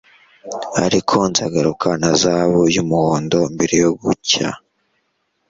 Ariko nzagaruka na zahabu y'umuhondo mbere yo gucya;